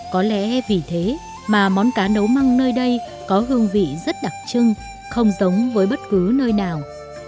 có lẽ vì thế mà món cá nấu măng nơi đây có hương vị rất đặc trưng không giống với bất cứ nơi nào